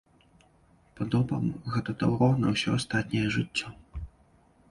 Па-добраму, гэта таўро на ўсё астатняе жыццё.